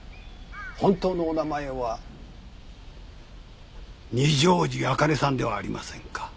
本当のお名前は二条路あかねさんではありませんか？